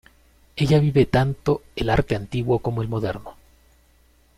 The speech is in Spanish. Ella vive tanto el arte antiguo, como el moderno.